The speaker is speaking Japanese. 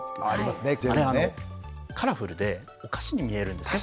あれカラフルでお菓子に見えるんですね